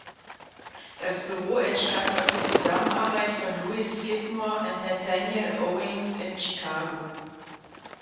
Das Büro entstand aus der Zusammenarbeit von Louis Skidmore und Nathaniel Owings in Chicago.